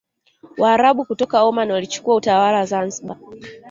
Waarabu kutoka Omani walichukua utawala Zanzibar